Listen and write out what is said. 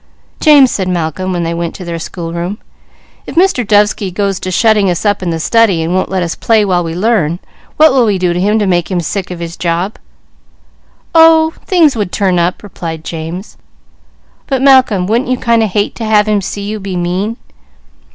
"James," said Malcolm, when they went to their schoolroom, "if Mr. Dovesky goes to shutting us up in the study and won't let us play while we learn, what will we do to him to make him sick of his job?" "Oh things would turn up!" replied James. "But Malcolm, wouldn't you kind o' hate to have him see you be mean?"